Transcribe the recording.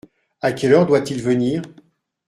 À quelle heure doit-il venir ?